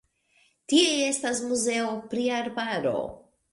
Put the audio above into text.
Tie estas muzeo pri arbaro.